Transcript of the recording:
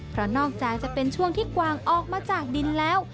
เพราะนอกจากจะเป็นช่วงที่กวางออกมาจากดินแล้ว